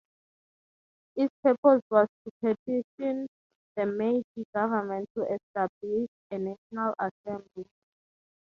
Its purpose was to petition the Meiji government to establish a national assembly.